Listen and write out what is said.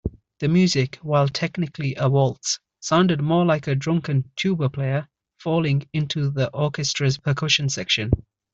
The music, while technically a waltz, sounded more like a drunken tuba player falling into the orchestra's percussion section.